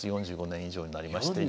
４５年以上になりまして。